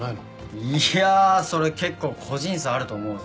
いやそれ結構個人差あると思うぞ。